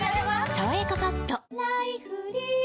「さわやかパッド」菊池）